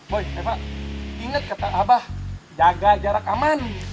boy inget kata abah jaga jarak aman